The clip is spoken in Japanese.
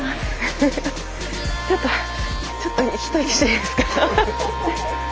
ちょっとちょっと一息していいですか？